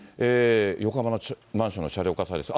横浜のマンションの車両火災です。